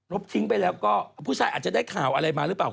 ทิ้งไปแล้วก็ผู้ชายอาจจะได้ข่าวอะไรมาหรือเปล่า